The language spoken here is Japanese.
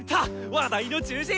話題の中心！